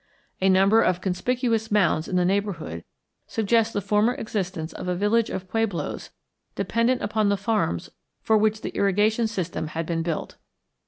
A number of conspicuous mounds in the neighborhood suggest the former existence of a village of pueblos dependent upon the farms for which the irrigation system had been built.